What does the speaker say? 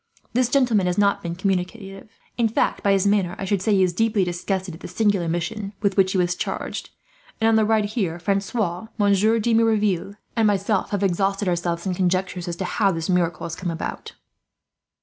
"This gentleman has not been communicative. In fact, by his manner, I should say he is deeply disgusted at the singular mission with which he was charged; and on the ride here Francois, Monsieur de Merouville, and myself have exhausted ourselves in conjectures as to how this miracle has come about."